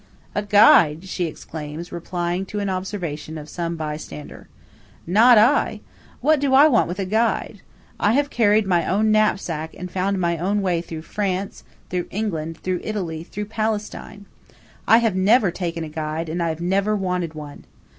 "A guide?" she exclaims, replying to an observation of some by stander. " Not I! What do I want with a guide? I have carried my own knapsack and found my own way through France, through England, through Italy, through Palestine. I have never taken a guide, and I have never wanted one.